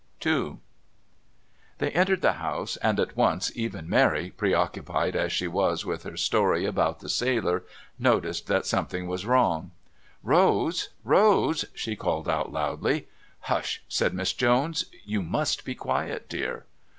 II They entered the house, and at once even Mary, preoccupied as she was with her story about the sailor, noticed that something was wrong. "Rose! Rose!" she called out loudly. "Hush!" said Miss Jones. "You must be quiet, dear."